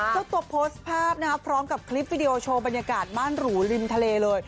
เจ้าตัวโพสต์ภาพนะครับพร้อมกับคลิปวิดีโอโชว์บรรยากาศบ้านหรูริมทะเลเลย